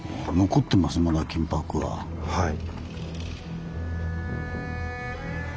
はい。